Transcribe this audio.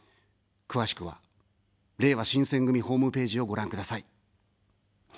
詳しくは、れいわ新選組ホームページをご覧ください。